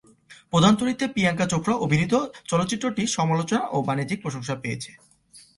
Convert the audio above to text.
প্রধান চরিত্রে প্রিয়াঙ্কা চোপড়া অভিনীত চলচ্চিত্রটি সমালোচনা ও বাণিজ্যিক প্রশংসা পেয়েছে।